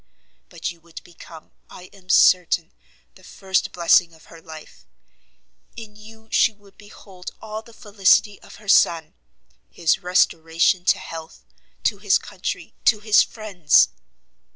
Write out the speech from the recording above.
But you would become, I am certain, the first blessing of her life; in you she would behold all the felicity of her son, his restoration to health, to his country, to his friends!"